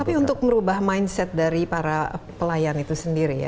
tapi untuk merubah mindset dari para pelayan itu sendiri ya